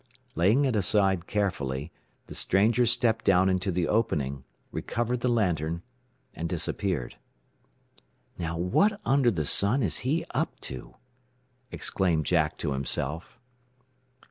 Laying it aside carefully, the stranger stepped down into the opening, recovered the lantern, and disappeared. "Now what under the sun is he up to?" exclaimed Jack to himself.